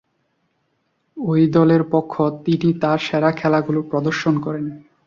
ঐ দলের পক্ষ তিনি তার সেরা খেলাগুলো প্রদর্শন করেন।